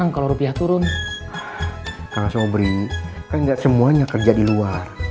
kalo sobri kan gak semuanya kerja di luar